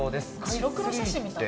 白黒写真みたい。